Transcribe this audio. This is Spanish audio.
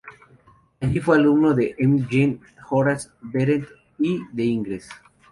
Allí fue alumno de Emile Jean Horace Vernet y de Ingres.